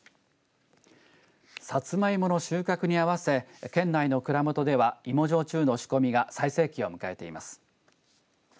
さつまいもの収穫に合わせ県内の蔵元では芋焼酎の仕込みが最盛期を迎えています。